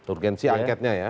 urgensi angketnya ya